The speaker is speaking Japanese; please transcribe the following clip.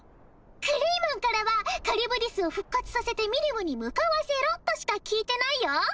クレイマンからはカリュブディスを復活させてミリムに向かわせろとしか聞いてないよ。